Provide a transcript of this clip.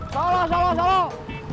salah salah salah